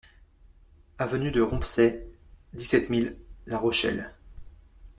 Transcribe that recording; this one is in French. Avenue DE ROMPSAY, dix-sept mille La Rochelle